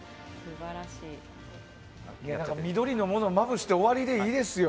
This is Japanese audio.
緑のものをまぶして終わりでいいですよ。